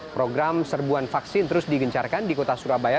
program serbuan vaksin terus digencarkan di kota surabaya